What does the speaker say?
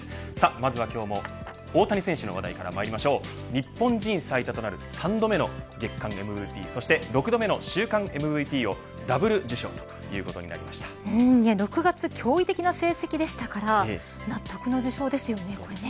まずは今日も大谷選手の話題からまいりましょう日本人最多となる３度目の月間ＭＶＰそして６度目の週間ＭＶＰをダブル受賞ということに６月驚異的な成績でしたから納得の受賞ですよね。